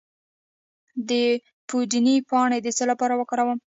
د پودینې پاڼې د څه لپاره وکاروم؟